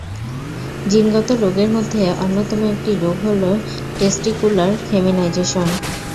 জিনগত রোগের মধ্যে অন্যতম একটি রোগ হলো টেস্টিকুলার ফেমিনাইজেশন।